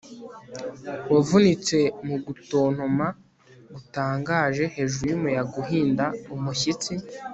Wavunitse mu gutontoma gutangaje hejuru yumuyaga uhinda umushyitsi